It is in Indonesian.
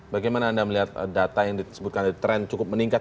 bagaimana anda melihat data yang disebutkan ada tren cukup meningkat